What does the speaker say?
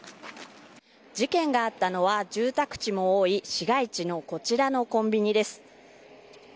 事件があったのは住宅地も多い市街地のこちらのコンビニです。